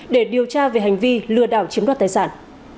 để điều tra về hành vi lừa đảo chiếm đoạt tài sản